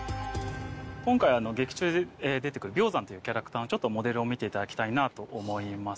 今回劇中で出てくるビョウザンというキャラクターのモデルを見ていただきたいなと思います。